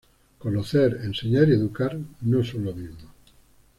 Conocer, enseñar y educar no son lo mismo.